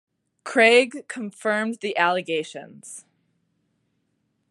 Craigie confirmed the allegations.